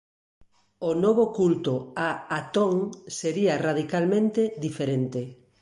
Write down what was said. O novo culto a Atón seria radicalmente diferente.